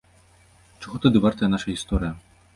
Чаго тады вартая наша гісторыя?